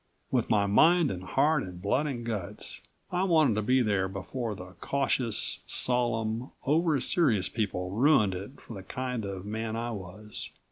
With my mind and heart and blood and guts I wanted to be there before the cautious, solemn, over serious people ruined it for the kind of man I was.